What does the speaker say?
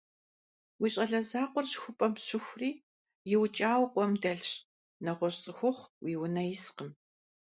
Уи щӀалэ закъуэр щыхупӀэм щыхури, иукӀауэ къуэм дэлъщ. НэгъуэщӀ цӀыхухъу уи унэ искъым.